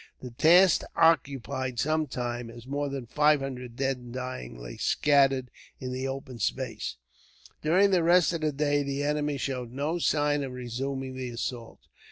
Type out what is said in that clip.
The task occupied some time, as more than five hundred dead and dying lay scattered in the open space. During the rest of the day, the enemy showed no signs of resuming the assault.